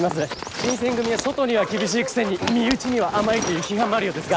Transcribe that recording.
新選組は外には厳しいくせに身内には甘いという批判もあるようですが。